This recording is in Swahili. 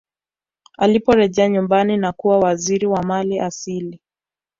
aliporejea nyumbani na kuwa waziri wa mali asili